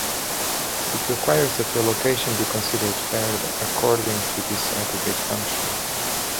It requires that the allocation be considered fair according to this aggregate function.